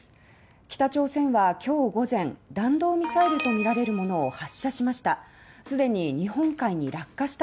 北朝鮮は今日午前弾道ミサイルとみられるものを発射しました。